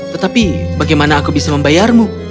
tetapi bagaimana aku bisa membayarmu